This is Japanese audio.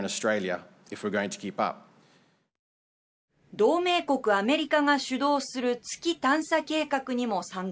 同盟国アメリカが主導する月探査計画にも参加。